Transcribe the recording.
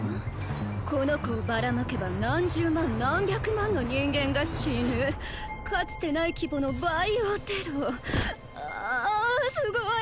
この子をばらまけば何十万何百万の人間が死ぬかつてない規模のバイオテロああすごい！